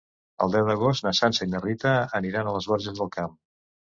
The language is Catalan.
El deu d'agost na Sança i na Rita aniran a les Borges del Camp.